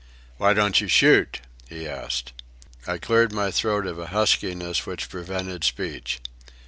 "Why don't you shoot?" he asked. I cleared my throat of a huskiness which prevented speech.